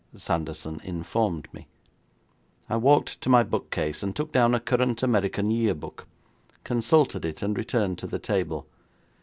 Sanderson informed me. I walked to my book case, and took down a current American Year Book, consulted it, and returned to the table.